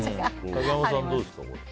竹山さんはどうですか？